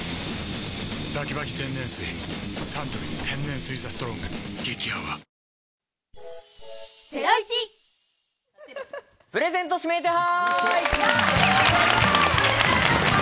サントリー天然水「ＴＨＥＳＴＲＯＮＧ」激泡プレゼント指名手配！